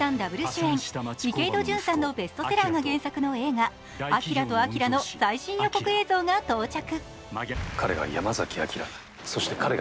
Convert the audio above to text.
Ｗ主演、池井戸潤さんのベストセラーが原作の映画「アキラとあきら」の最新予告映像が到着。